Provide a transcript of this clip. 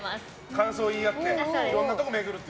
感想を言い合っていろんなことを巡ると。